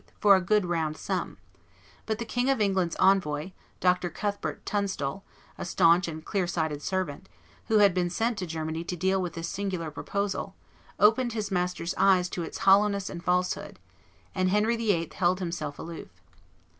for a good round sum; but the King of England's envoy, Dr. Cuthbert Tunstall, a stanch and clearsighted servant, who had been sent to Germany to deal with this singular proposal, opened his master's eyes to its hollowness and falsehood, and Henry VIII. held himself aloof.